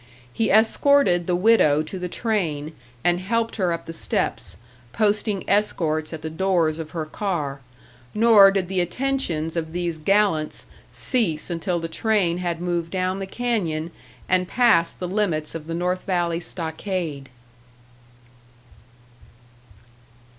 He escorted the widow to the train and helped her up the steps, posting escorts at the doors of her car; nor did the attentions of these gallants cease until the train had moved down the canyon and passed the limits of the North Valley stockade!